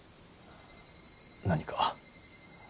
何か。